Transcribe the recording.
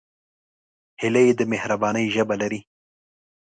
هیلۍ د مهربانۍ ژبه لري